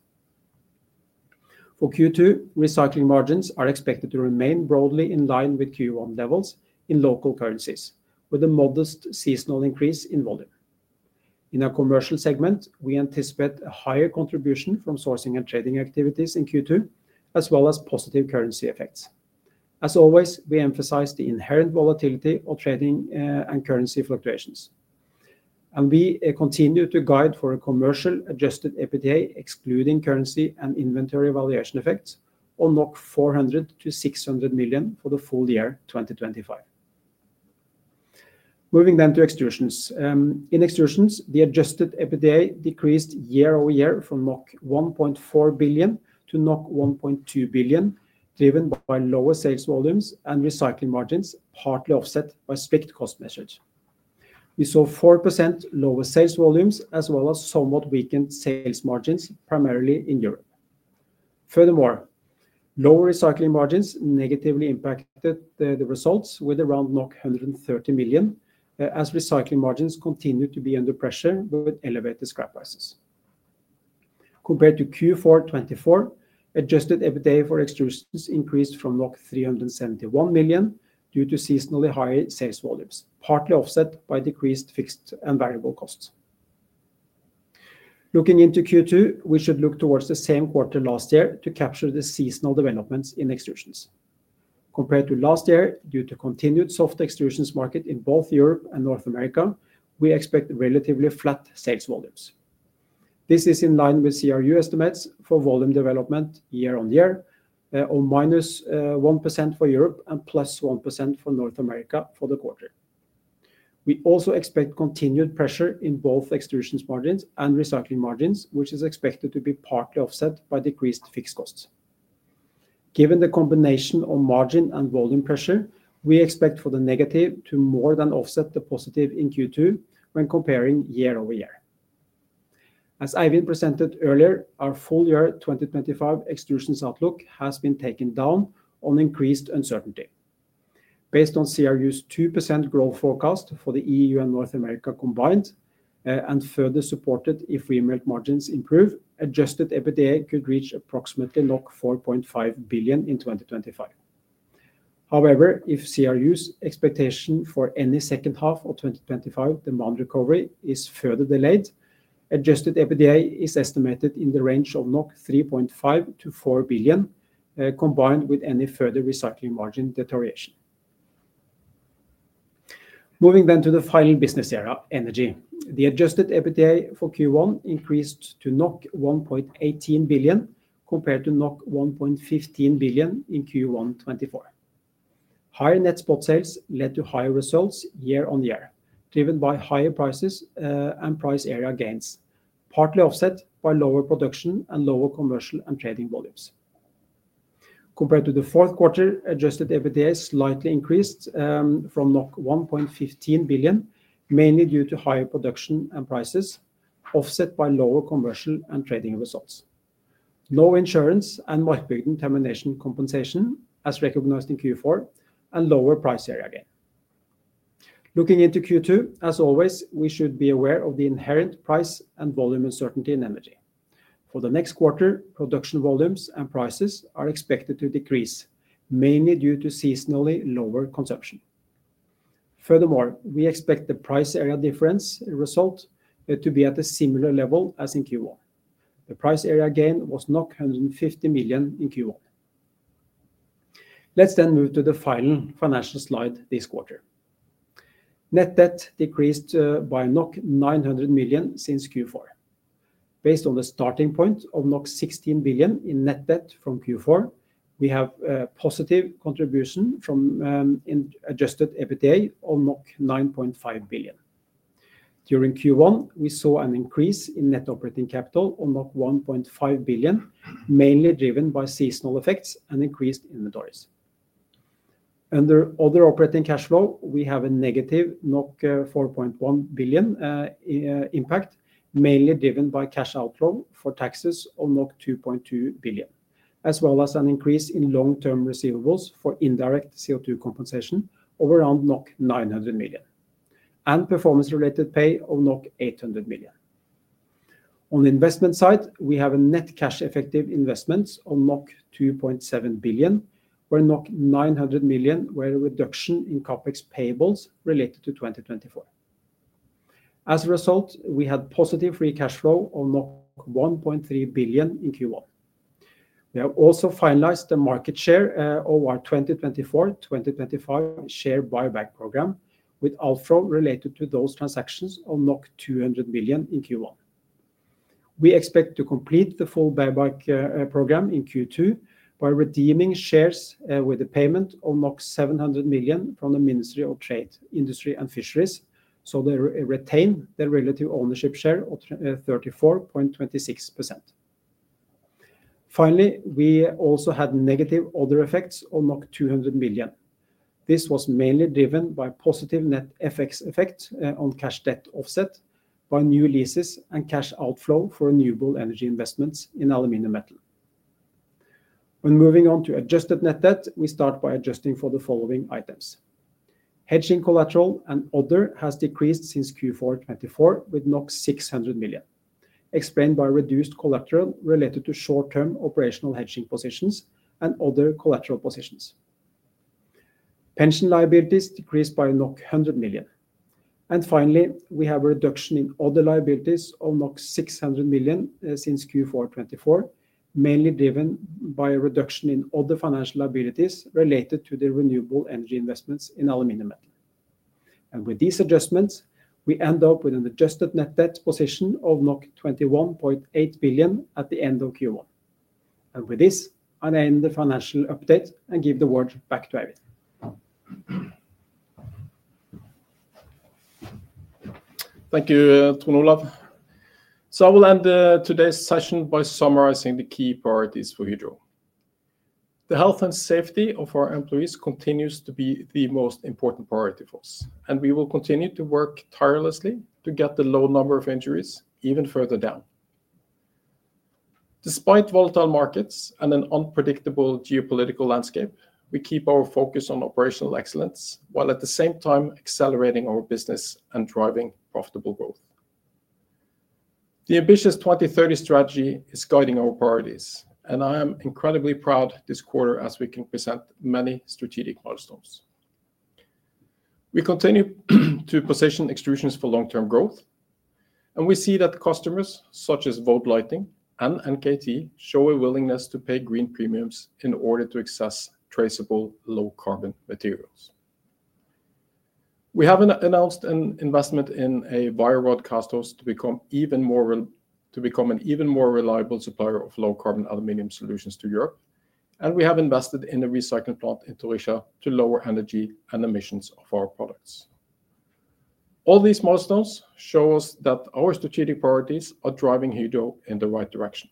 For Q2, recycling margins are expected to remain broadly in line with Q1 levels in local currencies, with a modest seasonal increase in volume. In our Commercial segment, we anticipate a higher contribution from sourcing and trading activities in Q2, as well as positive currency effects. As always, we emphasize the inherent volatility of trading and currency fluctuations. We continue to guide for a commercial adjusted EBITDA excluding currency and inventory valuation effects of 400-600 million for the full year 2025. Moving then to extrusions. In extrusions, the adjusted EBITDA decreased year-over-year from 1.4 billion to 1.2 billion, driven by lower sales volumes and recycling margins, partly offset by fixed cost measures. We saw 4% lower sales volumes as well as somewhat weakened sales margins, primarily in Europe. Furthermore, lower recycling margins negatively impacted the results with around 130 million, as recycling margins continued to be under pressure with elevated scrap prices. Compared to Q4 2024, adjusted EBITDA for extrusions increased from 371 million due to seasonally high sales volumes, partly offset by decreased fixed and variable costs. Looking into Q2, we should look towards the same quarter last year to capture the seasonal developments in extrusions. Compared to last year, due to continued soft extrusions market in both Europe and North America, we expect relatively flat sales volumes. This is in line with CRU estimates for volume development year-on-year, of -1% for Europe and +1% for North America for the quarter. We also expect continued pressure in both extrusions margins and recycling margins, which is expected to be partly offset by decreased fixed costs. Given the combination of margin and volume pressure, we expect for the negative to more than offset the positive in Q2 when comparing year-over-year. As Eivind presented earlier, our full year 2025 extrusions outlook has been taken down on increased uncertainty. Based on CRU's 2% growth forecast for the EU and North America combined, and further supported if re-emerge margins improve, adjusted EBITDA could reach approximately 4.5 billion in 2025. However, if CRU's expectation for any second half of 2025 demand recovery is further delayed, adjusted EBITDA is estimated in the range of 3.5-4 billion, combined with any further recycling margin deterioration. Moving then to the final business area, energy. The adjusted EBITDA for Q1 increased to 1.18 billion compared to 1.15 billion in Q1 2024. Higher net spot sales led to higher results year-on-year, driven by higher prices and price area gains, partly offset by lower production and lower commercial and trading volumes. Compared to the fourth quarter, adjusted EBITDA slightly increased from 1.15 billion, mainly due to higher production and prices, offset by lower commercial and trading results. No insurance and marked burden termination compensation, as recognized in Q4, and lower price area gain. Looking into Q2, as always, we should be aware of the inherent price and volume uncertainty in energy. For the next quarter, production volumes and prices are expected to decrease, mainly due to seasonally lower consumption. Furthermore, we expect the price area difference result to be at a similar level as in Q1. The price area gain was 150 million in Q1. Let's then move to the final financial slide this quarter. Net debt decreased by 900 million since Q4. Based on the starting point of 16 billion in net debt from Q4, we have a positive contribution from adjusted EBITDA of 9.5 billion. During Q1, we saw an increase in net operating capital of 1.5 billion, mainly driven by seasonal effects and increased inventories. Under other operating cash flow, we have a negative 4.1 billion impact, mainly driven by cash outflow for taxes of 2.2 billion, as well as an increase in long-term receivables for indirect CO2 compensation of around 900 million, and performance-related pay of 800 million. On the investment side, we have a net cash effective investment of 2.7 billion, where 900 million were a reduction in CapEx payables related to 2024. As a result, we had positive free cash flow of 1.3 billion in Q1. We have also finalized the market share of our 2024-2025 share buyback program, with outflow related to those transactions of 200 million in Q1. We expect to complete the full buyback program in Q2 by redeeming shares with a payment of 700 million from the Ministry of Trade, Industry and Fisheries, so they retain their relative ownership share of 34.26%. Finally, we also had negative other effects of 200 million. This was mainly driven by positive net FX effect on cash debt offset by new leases and cash outflow for renewable energy investments in aluminium metal. When moving on to adjusted net debt, we start by adjusting for the following items. Hedging collateral and other has decreased since Q4 2024 with 600 million, explained by reduced collateral related to short-term operational hedging positions and other collateral positions. Pension liabilities decreased by 100 million. Finally, we have a reduction in other liabilities of 600 million since Q4 2024, mainly driven by a reduction in other financial liabilities related to the renewable energy investments in aluminium metal. With these adjustments, we end up with an adjusted net debt position of 21.8 billion at the end of Q1. With this, I'll end the financial update and give the word back to Eivind. Thank you, Trond Olaf. I will end today's session by summarizing the key priorities for Hydro. The health and safety of our employees continues to be the most important priority for us, and we will continue to work tirelessly to get the low number of injuries even further down. Despite volatile markets and an unpredictable geopolitical landscape, we keep our focus on operational excellence while at the same time accelerating our business and driving profitable growth. The ambitious 2030 strategy is guiding our priorities, and I am incredibly proud this quarter as we can present many strategic milestones. We continue to position extrusions for long-term growth, and we see that customers such as Vode Lighting and NKT show a willingness to pay green premiums in order to access traceable low-carbon materials. We have announced an investment in a wire rod casthouse to become an even more reliable supplier of low-carbon aluminium solutions to Europe, and we have invested in a recycling plant in Torija to lower energy and emissions of our products. All these milestones show us that our strategic priorities are driving Hydro in the right direction.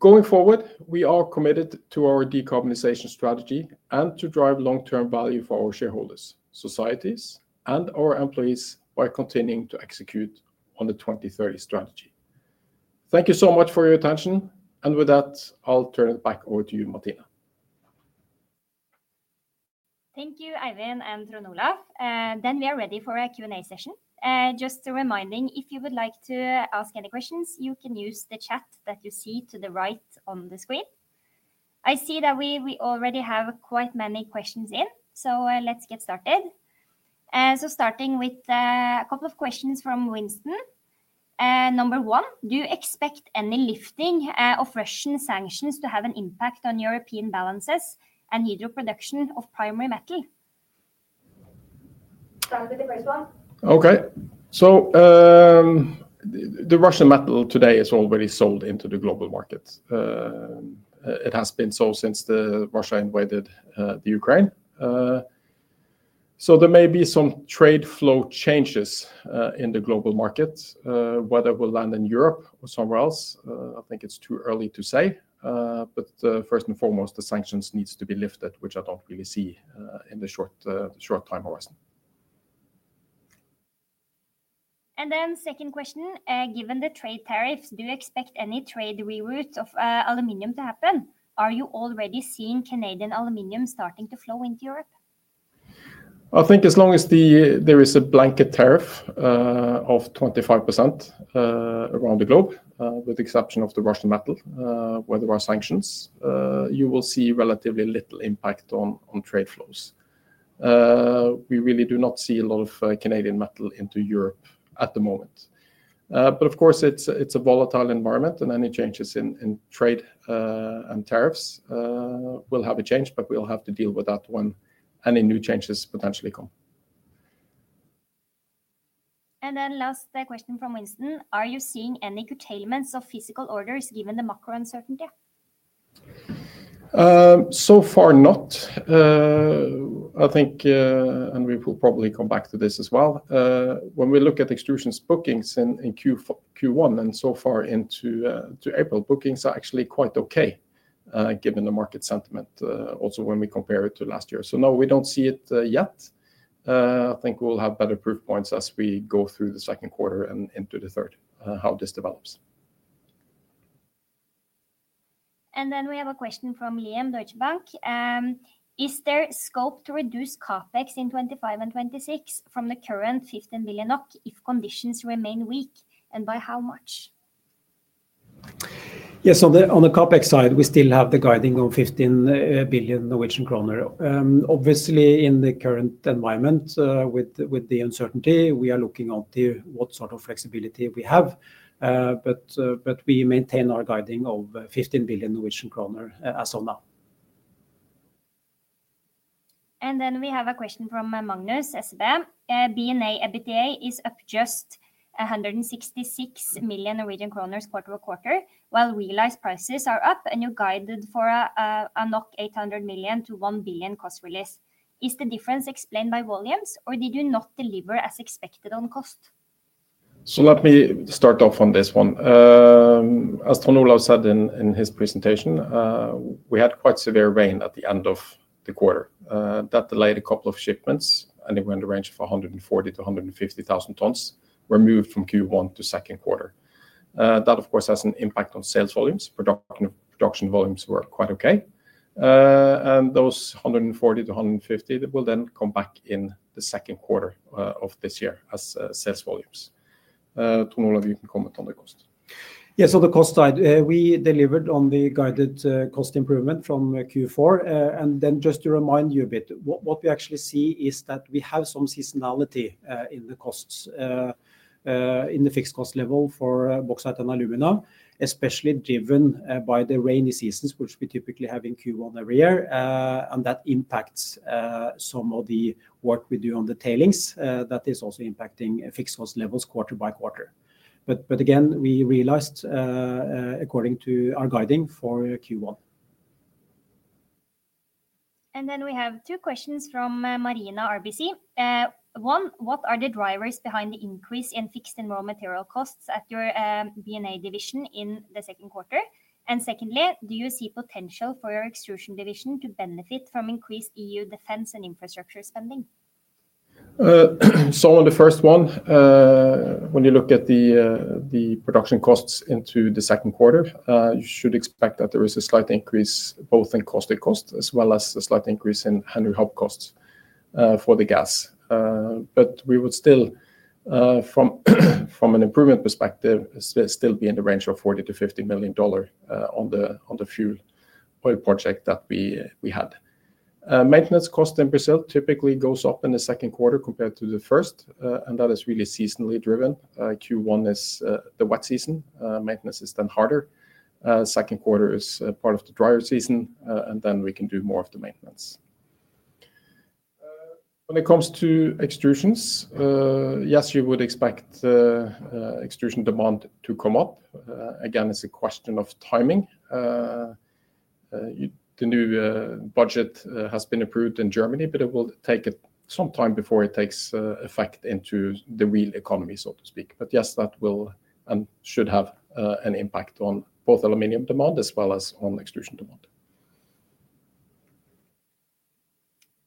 Going forward, we are committed to our decarbonization strategy and to drive long-term value for our shareholders, societies, and our employees by continuing to execute on the 2030 strategy. Thank you so much for your attention, and with that, I'll turn it back over to you, Martine. Thank you, Eivind and Trond Olaf. We are ready for a Q&A session. Just a reminder, if you would like to ask any questions, you can use the chat that you see to the right on the screen. I see that we already have quite many questions in, so let's get started. Starting with a couple of questions from Winston. Number one, do you expect any lifting of Russian sanctions to have an impact on European balances and Hydro production of primary metal? Start with the first one. The Russian metal today is already sold into the global market. It has been so since Russia invaded Ukraine. There may be some trade flow changes in the global market, whether it will land in Europe or somewhere else. I think it's too early to say, but first and foremost, the sanctions need to be lifted, which I don't really see in the short-term horizon. The second question, given the trade tariffs, do you expect any trade reroute of aluminum to happen? Are you already seeing Canadian aluminum starting to flow into Europe? I think as long as there is a blanket tariff of 25% around the globe, with the exception of the Russian metal, where there are sanctions, you will see relatively little impact on trade flows. We really do not see a lot of Canadian metal into Europe at the moment. Of course, it's a volatile environment, and any changes in trade and tariffs will have a change, but we'll have to deal with that when any new changes potentially come. The last question from Winston. Are you seeing any curtailments of physical orders given the macro uncertainty? So far, not. I think, and we will probably come back to this as well. When we look at extrusions bookings in Q1 and so far into April, bookings are actually quite okay given the market sentiment, also when we compare it to last year. No, we do not see it yet. I think we will have better proof points as we go through the second quarter and into the third, how this develops. We have a question from Liam Deutsche Bank. Is there scope to reduce CapEx in 2025 and 2026 from the current 15 billion NOK if conditions remain weak, and by how much? Yes, on the CapEx side, we still have the guiding on 15 billion Norwegian kroner. Obviously, in the current environment with the uncertainty, we are looking onto what sort of flexibility we have, but we maintain our guiding of 15 billion Norwegian kroner as of now. We have a question from Magnus Esbem. BNA EBITDA is up just 166 million Norwegian kroner quarter over quarter, while realized prices are up and you guided for a 800 million-1 billion cost release. Is the difference explained by volumes, or did you not deliver as expected on cost? Let me start off on this one. As Trond Olaf said in his presentation, we had quite severe rain at the end of the quarter. That delayed a couple of shipments, and it went in the range of 140,000-150,000 tons removed from Q1 to second quarter. That, of course, has an impact on sales volumes. Production volumes were quite okay. Those 140,000-150,000, they will then come back in the second quarter of this year as sales volumes. Trond Olaf, you can comment on the cost. Yes, on the cost side, we delivered on the guided cost improvement from Q4. Just to remind you a bit, what we actually see is that we have some seasonality in the costs in the fixed cost level for bauxite and alumina, especially driven by the rainy seasons, which we typically have in Q1 every year. That impacts some of the work we do on the tailings that is also impacting fixed cost levels quarter by quarter. Again, we realized according to our guiding for Q1. We have two questions from Marina RBC. One, what are the drivers behind the increase in fixed and raw material costs at your BNA division in the second quarter? Secondly, do you see potential for your extrusion division to benefit from increased EU defense and infrastructure spending? On the first one, when you look at the production costs into the second quarter, you should expect that there is a slight increase both in caustic cost as well as a slight increase in Henry Hub costs for the gas. We would still, from an improvement perspective, still be in the range of $40 million-$50 million on the fuel oil project that we had. Maintenance cost in Brazil typically goes up in the second quarter compared to the first, and that is really seasonally driven. Q1 is the wet season. Maintenance is then harder. Second quarter is part of the drier season, and then we can do more of the maintenance. When it comes to extrusions, yes, you would expect extrusion demand to come up. Again, it's a question of timing. The new budget has been approved in Germany, but it will take some time before it takes effect into the real economy, so to speak. Yes, that will and should have an impact on both aluminum demand as well as on extrusion demand.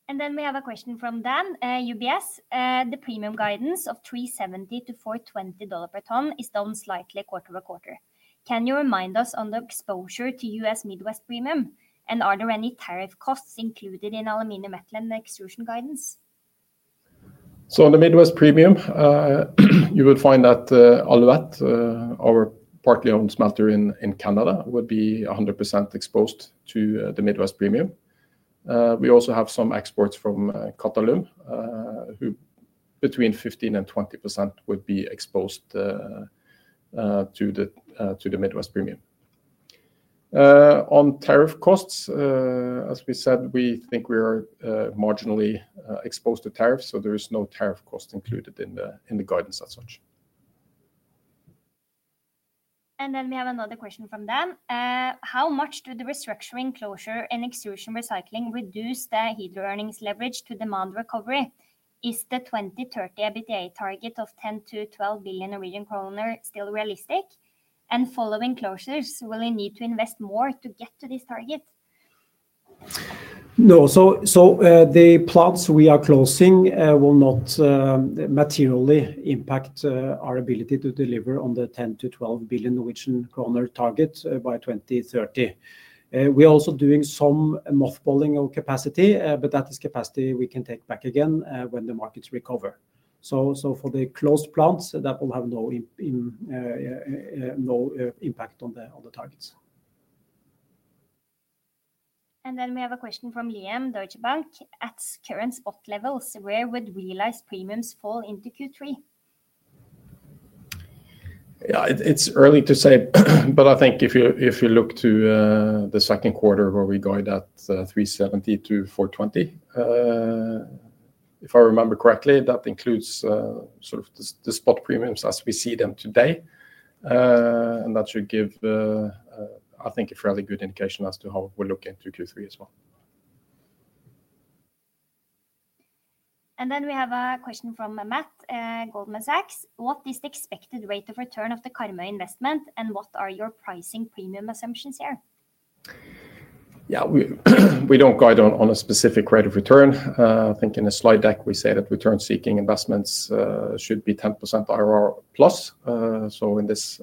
We have a question from Dan, UBS. The premium guidance of $370-$420 per ton is down slightly quarter over quarter. Can you remind us on the exposure to U.S. Midwest premium, and are there any tariff costs included in aluminum metal and extrusion guidance? On the Midwest premium, you would find that all of that, our partly owned smelter in Canada, would be 100% exposed to the Midwest premium. We also have some exports from Qatalum, between 15% and 20% would be exposed to the Midwest premium. On tariff costs, as we said, we think we are marginally exposed to tariffs, so there is no tariff cost included in the guidance as such. We have another question from Dan. How much do the restructuring closure in extrusion recycling reduce the Hydro earnings leverage to demand recovery? Is the 2030 EBITDA target of 10 billion-12 billion Norwegian kroner still realistic? Following closures, will you need to invest more to get to this target? No, the plants we are closing will not materially impact our ability to deliver on the 10 billion-12 billion Norwegian kroner target by 2030. We are also doing some mothballing of capacity, but that is capacity we can take back again when the markets recover. For the closed plants, that will have no impact on the targets. We have a question from Liam Deutsche Bank. At current spot levels, where would realized premiums fall into Q3? Yeah, it's early to say, but I think if you look to the second quarter where we guide at $370-$420, if I remember correctly, that includes sort of the spot premiums as we see them today. That should give, I think, a fairly good indication as to how we're looking to Q3 as well. We have a question from Matt, Goldman Sachs. What is the expected rate of return of the Karmøy investment, and what are your pricing premium assumptions here? Yeah, we don't guide on a specific rate of return. I think in the slide deck, we say that return-seeking investments should be 10% IRR plus. In this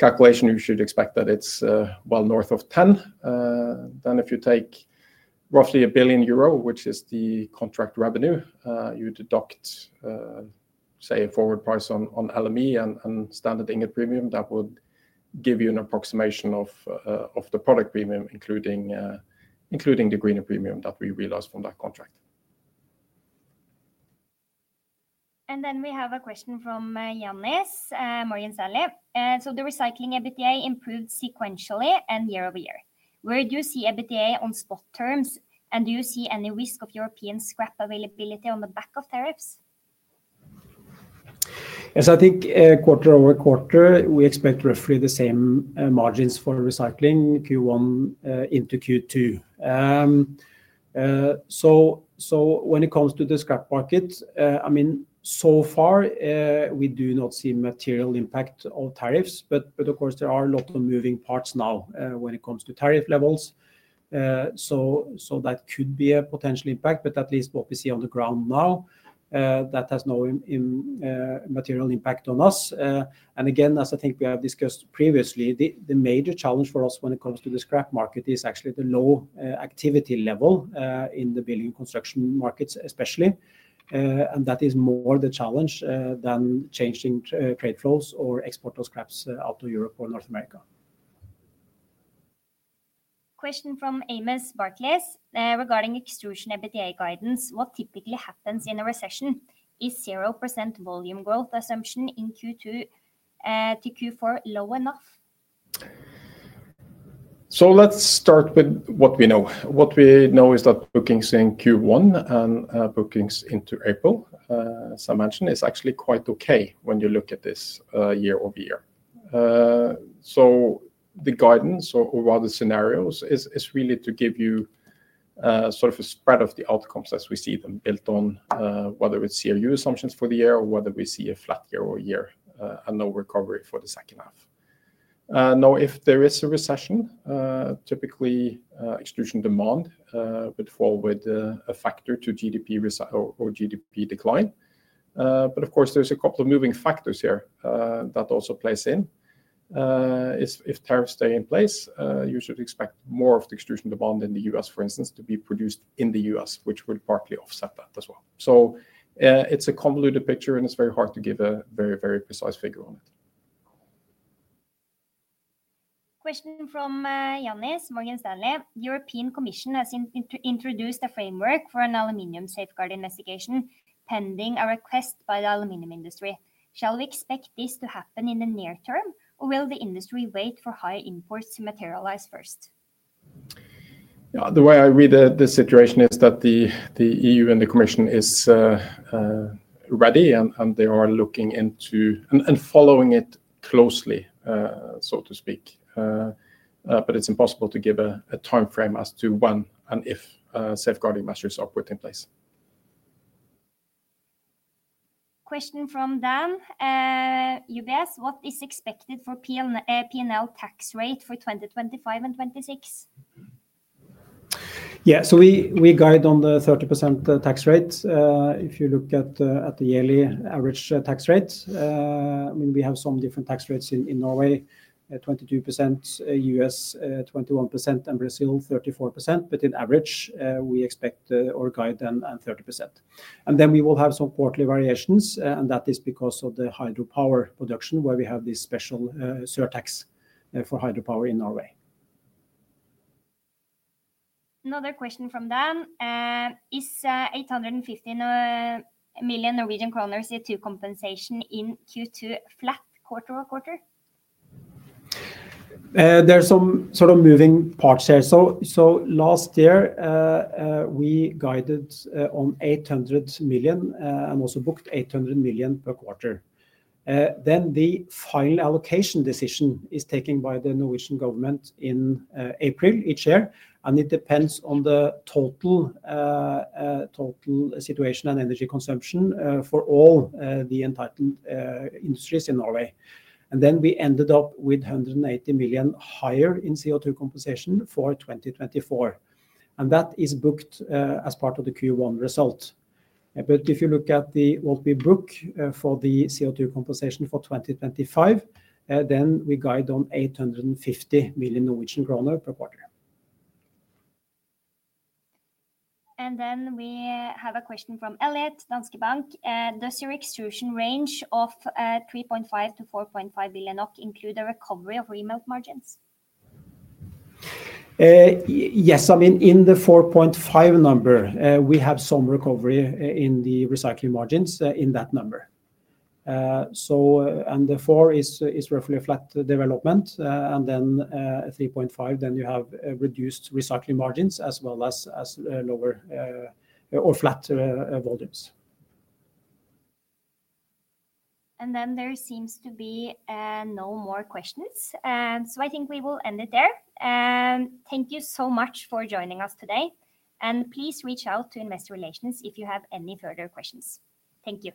calculation, you should expect that it's well north of 10%. If you take roughly 1 billion euro, which is the contract revenue, you deduct, say, a forward price on LME and standard ingot premium, that would give you an approximation of the product premium, including the greener premium that we realize from that contract. We have a question from Jannis, Morgan Stanley. The recycling EBITDA improved sequentially and year-over-year. Where do you see EBITDA on spot terms, and do you see any risk of European scrap availability on the back of tariffs? Yes, I think quarter over quarter, we expect roughly the same margins for recycling Q1 into Q2. When it comes to the scrap market, I mean, so far, we do not see material impact of tariffs, but of course, there are a lot of moving parts now when it comes to tariff levels. That could be a potential impact, but at least what we see on the ground now, that has no material impact on us. Again, as I think we have discussed previously, the major challenge for us when it comes to the scrap market is actually the low activity level in the building and construction markets, especially. That is more the challenge than changing trade flows or export of scraps out to Europe or North America. Question from Amos Barclays regarding extrusion EBITDA guidance. What typically happens in a recession? Is 0% volume growth assumption in Q2 to Q4 low enough? Let's start with what we know. What we know is that bookings in Q1 and bookings into April, as I mentioned, is actually quite okay when you look at this year-over-year. The guidance or rather scenarios is really to give you sort of a spread of the outcomes as we see them built on, whether it's CRU assumptions for the year or whether we see a flat year-over-year and no recovery for the second half. If there is a recession, typically extrusion demand would fall with a factor to GDP for GDP decline. Of course, there's a couple of moving factors here that also play in. If tariffs stay in place, you should expect more of the extrusion demand in the U.S., for instance, to be produced in the U.S., which would partly offset that as well. It is a convoluted picture, and it's very hard to give a very, very precise figure on it. Question from Jannis Morgan Stanley. European Commission has introduced a framework for an aluminum safeguard investigation pending a request by the aluminum industry. Shall we expect this to happen in the near term, or will the industry wait for higher imports to materialize first? Yeah, the way I read the situation is that the EU and the Commission is ready, and they are looking into and following it closely, so to speak. It is impossible to give a timeframe as to when and if safeguarding measures are put in place. Question from Dan, UBS. What is expected for P&L tax rate for 2025 and 2026? Yeah, so we guide on the 30% tax rate. If you look at the yearly average tax rate, I mean, we have some different tax rates in Norway, 22%, U.S., 21%, and Brazil, 34%. In average, we expect or guide them at 30%. We will have some quarterly variations, and that is because of the hydropower production, where we have this special surtax for hydropower in Norway. Another question from Dan. Is 850 million Norwegian kroner due to compensation in Q2 flat quarter over quarter? There are some sort of moving parts here. Last year, we guided on 800 million and also booked 800 million per quarter. The final allocation decision is taken by the Norwegian government in April each year. It depends on the total situation and energy consumption for all the entitled industries in Norway. We ended up with 180 million higher in CO2 compensation for 2024. That is booked as part of the Q1 result. If you look at what we book for the CO2 compensation for 2025, we guide on 850 million Norwegian kroner per quarter. We have a question from Elliott Danske Bank. Does your extrusion range of 3.5 billion-4.5 billion NOK include a recovery of remelt margins? Yes, I mean, in the 4.5 billion number, we have some recovery in the recycling margins in that number. The 4 billion is roughly a flat development. 3.5 billion, then you have reduced recycling margins as well as lower or flat volumes. There seems to be no more questions. I think we will end it there. Thank you so much for joining us today. Please reach out to Investor Relations if you have any further questions. Thank you.